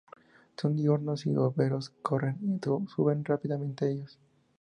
Son diurnos y arbóreos, corren y suben rápidamente a ellos.